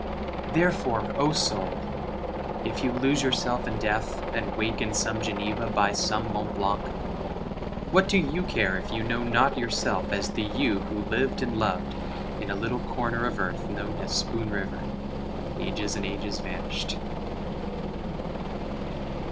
Therefore, O soul, if you lose yourself in death, And wake in some Geneva by some Mt. Blanc, What do you care if you know not yourself as the you Who lived and loved in a little corner of earth Known as Spoon River ages and ages vanished?